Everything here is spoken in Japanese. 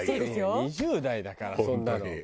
２０代だからそんなの。